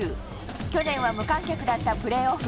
去年は無観客だったプレーオフ。